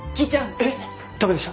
えっダメでした？